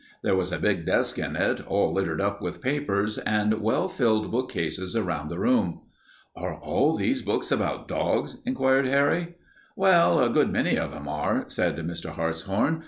There was a big desk in it, all littered up with papers, and well filled bookcases around the room. "Are all these books about dogs?" inquired Harry. "Well, a good many of them are," said Mr. Hartshorn.